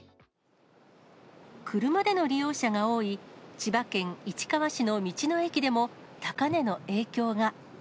車での利用者が多い千葉県市川市の道の駅でも、高値の影響が。